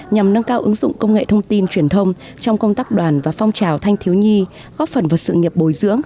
nhằm nâng cao ứng dụng công nghệ thông tin truyền thông trong công tác đoàn và phong trào thanh thiếu nhi góp phần vào sự nghiệp bồi dưỡng